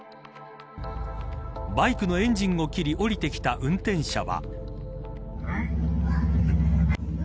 バイクのエンジンを切り降りてきた運転者は。